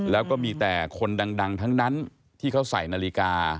แล้วก็มีแต่คนดังทั้งนั้นที่เขาใส่นาฬิกา